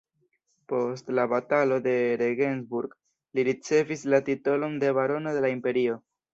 Post la Batalo de Regensburg li ricevis la titolon de barono de la imperio.